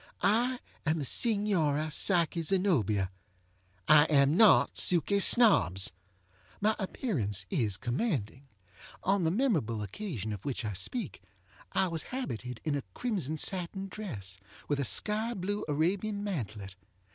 I am the Signora Psyche Zenobia. I am not Suky Snobbs. My appearance is commanding. On the memorable occasion of which I speak I was habited in a crimson satin dress, with a sky blue Arabian mantelet.